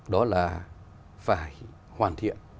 đó là phải hoàn thiện